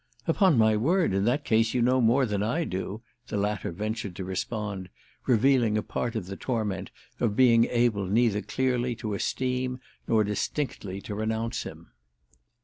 "Upon my word in that case you know more than I do!" the latter ventured to respond, revealing a part of the torment of being able neither clearly to esteem nor distinctly to renounce him.